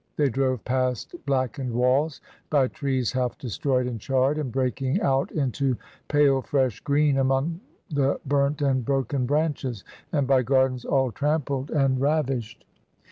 They drove past blackened walls, by trees half destroyed and charred, and breaking out into pale fresh green among the burnt and broken branches; and by gardens all trampled and ravished.